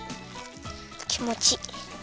きもちいい。